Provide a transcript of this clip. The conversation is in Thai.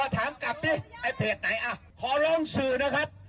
ถามกลับดิไอ้เพจไหนอ่ะขอร้องสื่อนะครับ